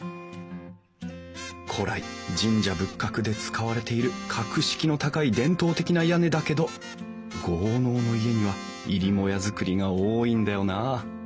古来神社仏閣で使われている格式の高い伝統的な屋根だけど豪農の家には入母屋造りが多いんだよなあ。